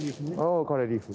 おカレーリーフ。